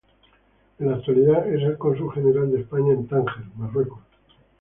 En la actualidad, es el Cónsul General de España en Tánger, Marruecos.